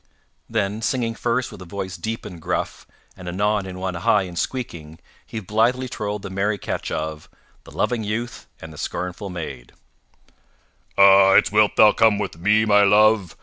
Then, singing first with a voice deep and gruff, and anon in one high and squeaking, he blithely trolled the merry catch of THE LOVING YOUTH AND THE SCORNFUL MAID "_Ah, it's wilt thou come with me, my love?